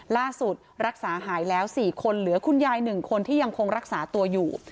รักษาหายแล้ว๔คนเหลือคุณยาย๑คนที่ยังคงรักษาตัวอยู่